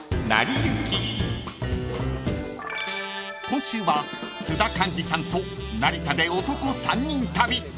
［今週は津田寛治さんと成田で男３人旅］